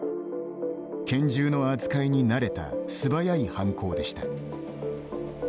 拳銃の扱いに慣れた素早い犯行でした。